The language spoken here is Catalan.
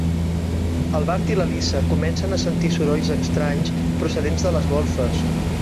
El Bart i la Lisa comencen a sentir sorolls estranys procedents de les golfes.